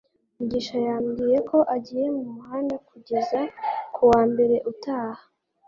mugisha yambwiye ko agiye mu muhanda kugeza ku wa mbere utaha